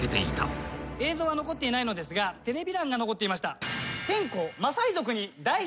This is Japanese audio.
映像は残っていないのですがテレビ欄が残っていました。